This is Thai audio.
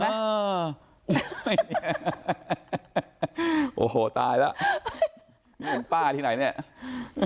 เห็นไหมโอ้โหตายละโรงป้าที่ไหนเนี่ย